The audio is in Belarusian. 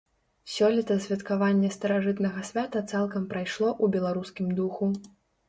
Сёлета святкаванне старажытнага свята цалкам прайшло ў беларускім духу.